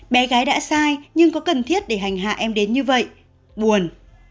bé gái đã sai nhưng có cần thiết để hành hạ em đến như vậy buồn